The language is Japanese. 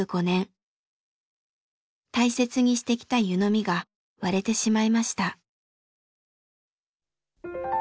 大切にしてきた湯飲みが割れてしまいました。